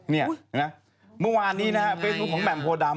นี่มึงวานนี้นะฮะเฟสมุของแหม่งโพดำ